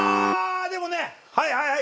でもねはいはいはい。